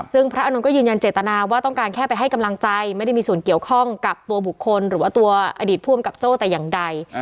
ซึ่งพระอานนท์ก็ยืนยันเจตนาว่าต้องการแค่ไปให้กำลังใจไม่ได้มีส่วนเกี่ยวข้องกับตัวบุคคลหรือว่าตัวอดีตผู้อำกับโจ้แต่อย่างใด